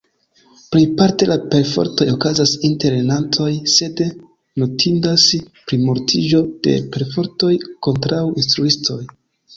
Plejparte la perfortoj okazas inter lernantoj, sed notindas plimultiĝo de perfortoj kontraŭ instruistoj.